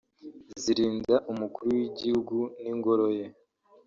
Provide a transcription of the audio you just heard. zirinda Umukuru w’Igihugu n’ingoro ye